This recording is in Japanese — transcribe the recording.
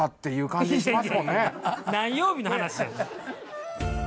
何曜日の話やねん。